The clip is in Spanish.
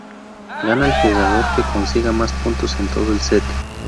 Gana el jugador que consiga más puntos en todo el set.